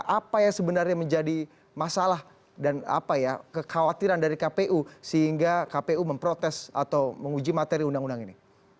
apa yang sebenarnya menjadi masalah dan kekhawatiran dari kpu sehingga kpu memprotes atau menguji materi undang undang ini